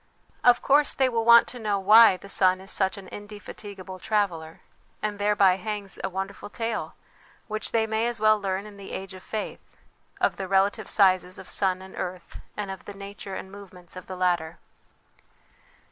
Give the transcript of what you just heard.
Of course they will want to know why the sun is such an indefatigable traveller, and thereby hangs a wonderful tale, which they may as well learn in the ' age of faith/ of the relative sizes of sun and earth, and of the nature and movements of the latter.